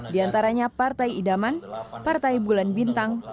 di antaranya partai idaman partai bulan bintang